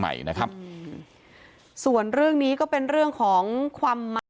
ใหม่นะครับอืมส่วนเรื่องนี้ก็เป็นเรื่องของความเมา